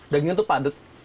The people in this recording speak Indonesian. dagingnya tuh padat